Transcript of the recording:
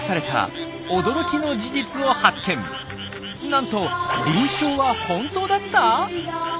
なんと輪唱は本当だった！？